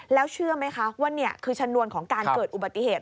แล้วเชื่อไหมคะว่านี่คือชนวนของการเกิดอุบัติเหตุ